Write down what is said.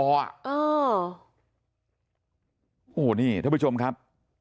วันนี้ท่านผู้ชมครับ